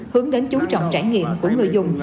hướng đến chú trọng trải nghiệm của người dùng